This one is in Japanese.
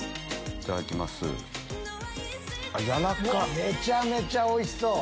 めちゃめちゃおいしそう。